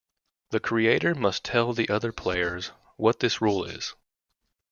The creator must tell the other players what this rule is.